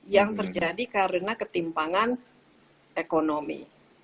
yang terjadi karena ketimpangan ekonomi